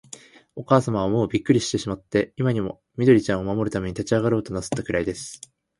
おかあさまは、もうびっくりしてしまって、今にも、緑ちゃんを守るために立ちあがろうとなすったくらいです。